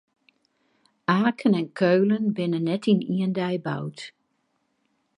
Aken en Keulen binne net yn ien dei boud.